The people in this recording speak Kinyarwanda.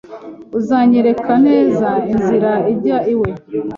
Uzanyereka neza inzira ijya iwe?